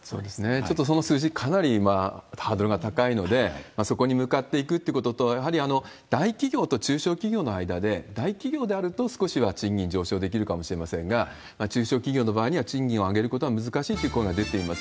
ちょっとその数字、かなりハードルが高いので、そこに向かっていくということと、やはり大企業と中小企業の間で、大企業であると少しは賃金上昇できるかもしれませんが、中小企業の場合には賃金を上げることは難しいという声が出ています。